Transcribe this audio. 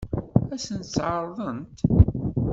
Ad sen-tt-ɛeṛḍent?